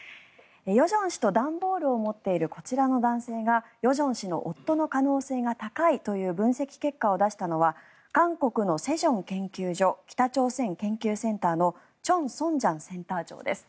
与正氏と段ボールを持っているこちらの男性が与正氏の夫の可能性が高いという分析結果を出したのは韓国の世宗研究所北朝鮮研究センターのチョン・ソンジャンセンター長です。